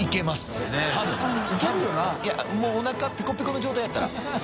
いやもうおなかぺこぺこの状態やったら。